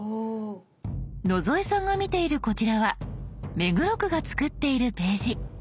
野添さんが見ているこちらは目黒区が作っているページ。